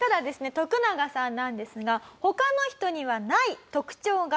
トクナガさんなんですが他の人にはない特徴があります。